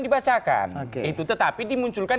dibacakan itu tetapi dimunculkan